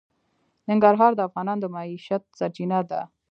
ننګرهار د افغانانو د معیشت سرچینه ده.